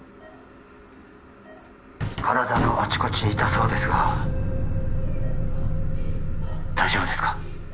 体のあちこち痛そうですが大丈夫ですか？